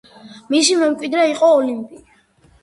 მისი მემკვიდრე იყო ოლიმპი.